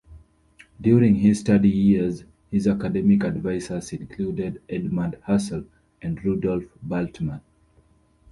During his study years his academic advisors included Edmund Husserl and Rudolf Bultmann.